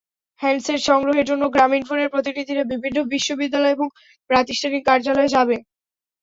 Handset সংগ্রহের জন্য গ্রামীণফোনের প্রতিনিধিরা বিভিন্ন বিশ্ববিদ্যালয় এবং প্রাতিষ্ঠানিক কার্যালয়ে যাবে।